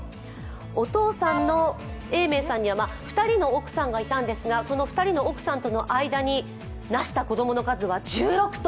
お父さんの永明さんには２人の奥さんがいたんですが、その２人の奥さんとの間になした子供の数は１６頭。